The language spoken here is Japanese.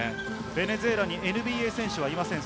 ベネズエラにＮＢＡ選手はいません。